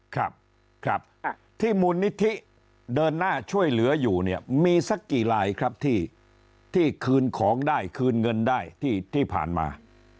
ครับครับที่มูลนิธิเดินหน้าช่วยเหลืออยู่เนี่ยมีสักกี่ลายครับที่คืนของได้คืนเงินได้ที่ผ่านมา